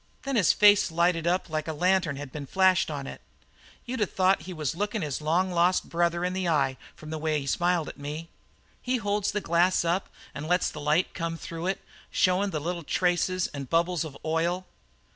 Then his face lighted up like a lantern had been flashed on it. You'd of thought that he was lookin' his long lost brother in the eye from the way he smiled at me. He holds the glass up and lets the light come through it, showin' the little traces and bubbles of oil.